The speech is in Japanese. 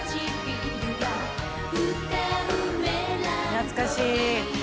懐かしい。